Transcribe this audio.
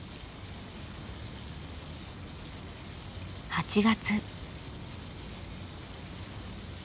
８月。